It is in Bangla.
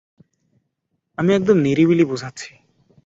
আমি একদম নিরিবিলি বুঝাচ্ছি।